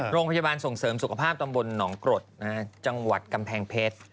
โรงพยาบาลส่งเสริมสุขภาพตำบลหนองกรดจังหวัดกำแพงเพชร